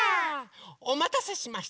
おまたせしました。